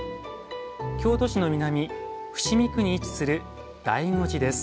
京都市の南、伏見区に位置する醍醐寺です。